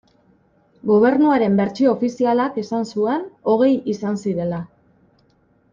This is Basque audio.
Gobernuaren bertsio ofizialak esan zuen hogei izan zirela.